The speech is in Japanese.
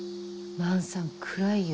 万さん暗いよ。